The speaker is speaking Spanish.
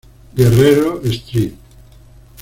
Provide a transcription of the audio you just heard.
Guerrero Street.